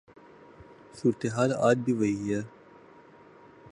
صورت حال آج بھی وہی ہے۔